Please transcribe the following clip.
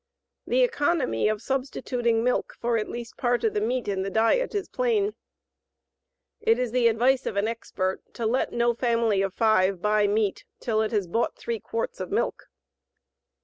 The economy of substituting milk for at least part of the meat in the diet is plain. It is the advice of an expert to "let no family of 5 buy meat till it has bought 3 quarts of milk."